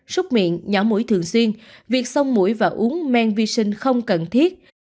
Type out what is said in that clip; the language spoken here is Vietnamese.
xúc miệng nhỏ mũi thường xuyên việc sông mũi và uống men vi sinh không cần thiết